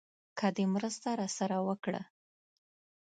که دې مرسته راسره وکړه.